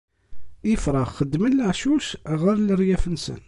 Ifrax xeddmen leɛcuc ɣer leryaf-nsen.